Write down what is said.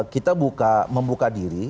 kita membuka diri